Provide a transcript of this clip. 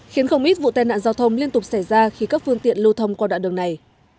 khiến không ít vụ tai nạn giao thông liên tục xảy ra khi các phương tiện lưu thông qua đoạn đường này